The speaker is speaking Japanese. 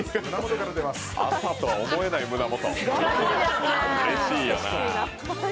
朝とは思えない胸元。